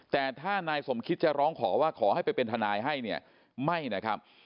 แต่ถ้านายสมคิดจะร้องขอว่าขอให้ไปเป็นทนายให้เนี่ยไม่นะครับ